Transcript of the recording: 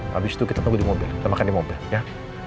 habis itu kita tunggu di mobil kita makan di mobil ya